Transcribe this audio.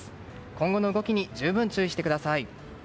今後の動きに十分、注意してください。